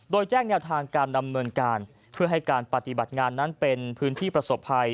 โดยแจ้งแนวทางการดำเนินการเพื่อให้การปฏิบัติงานนั้นเป็นพื้นที่ประสบภัย